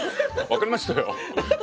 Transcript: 分かりましたよ。